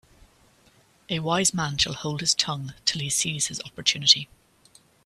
A wise man shall hold his tongue till he sees his opportunity.